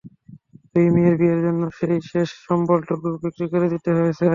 দুই মেয়ের বিয়ের জন্য সেই শেষ সম্বলটুকু বিক্রি করে দিতে হয়েছে।